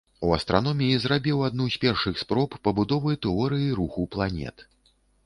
У астраноміі зрабіў адну з першых спроб пабудовы тэорыі руху планет.